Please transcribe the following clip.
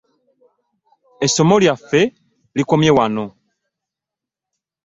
Essomo lyaffe likomye wano.